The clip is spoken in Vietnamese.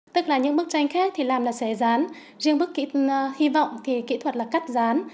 tức là những bức tranh khác thì làm là xé rán riêng bức hy vọng thì kỹ thuật là cắt rán